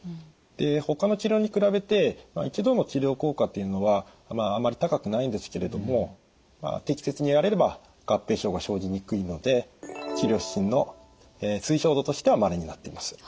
でほかの治療に比べて一度の治療効果っていうのはあまり高くないんですけれども適切にやれれば合併症が生じにくいので治療指針の推奨度としては○になっています。